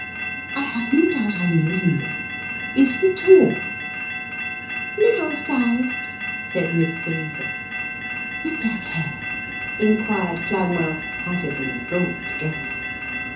" I have no doubt I know him, though. Is he tall ?"" Middle sized," said Miss Teresa. " With black hair ?" inquired Flamwell, hazarding a bold guess.